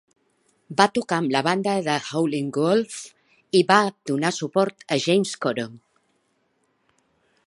Va tocar amb la banda de Howlin' Wolf i va donar suport a James Cotton.